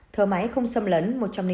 thở máy không xâm lấn một trăm linh bốn ca